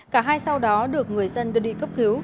cả hai sau đó được người dân đưa đi cấp cứu